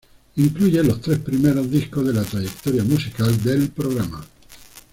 Incluye los tres primeros discos de la trayectoria musical del programa.